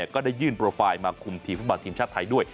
ก็ได้ยื่นโปรไฟล์มาคุมทีมฟุตบอลทีมชาติไทยด้วย